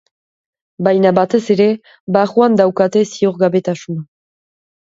Baina, batez ere, barruan daukate ziurgabetasuna.